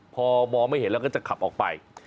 พอมองไม่เห็นแล้วก็จะขับออกไป